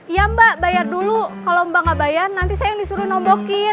iya mbak bayar dulu kalau mbak gak bayar nanti saya yang disuruh nombokin